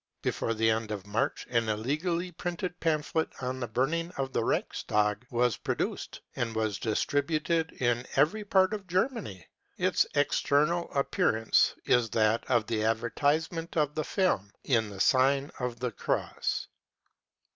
Before the end of March an illegally printed pamphlet on the burning of the Reichstag was produced, and was distributed in every part of Germany. Its external appear ance is that of an advertisement of the film In the Sign of the Cross.